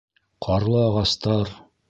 Ҡарлы ағастар!